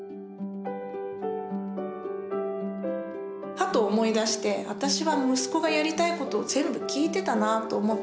は！っと思い出して私は息子がやりたいことを全部聞いてたなと思って。